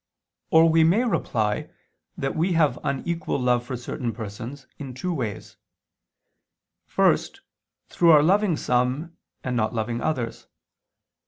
Or we may reply that we have unequal love for certain persons in two ways: first, through our loving some and not loving others.